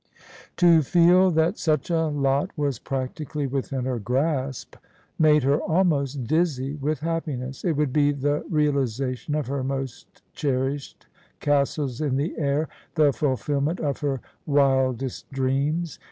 To feel that such a lot was practically within her grasp made her almost dizzy with happiness : it would be the real isation of her most cherished castles in the air — the fulfil ment of her wildest dreams.